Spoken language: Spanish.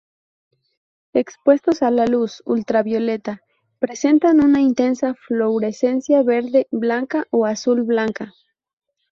Expuestos a la luz ultravioleta presentan una intensa fluorescencia verde-blanca o azul-blanca.